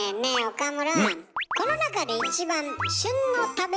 岡村。